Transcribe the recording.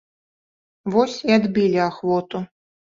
Вось і адбілі ахвоту.